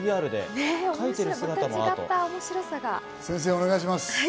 先生、お願いします。